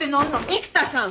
育田さん！